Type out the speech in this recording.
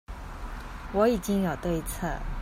我已經有對策